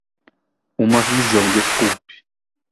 Uma visão desculpe